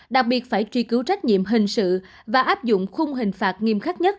đặc biệt phải truy cứu trách nhiệm hình sự và áp dụng khung hình phạt nghiêm khắc nhất